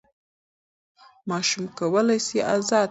ماشوم کولی سي ازاد فکر ولري.